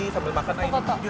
sampai makan lagi